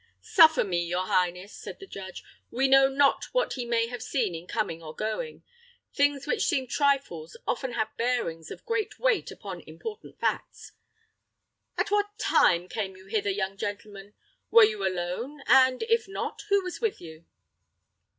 "Suffer me, your highness," said the judge. "We know not what he may have seen in coming or going. Things which seem trifles often have bearings of great weight upon important facts at what time came you hither, young gentleman? Were you alone, and, if not, who was with you?"